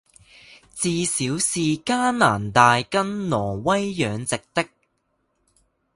至少是加拿大跟挪威養殖的